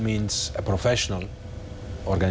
แต่ฟุตบอลเป็นของทุกคน